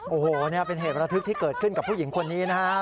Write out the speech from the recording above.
โอ้โหนี่เป็นเหตุระทึกที่เกิดขึ้นกับผู้หญิงคนนี้นะครับ